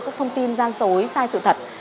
các thông tin gian dối sai sự thật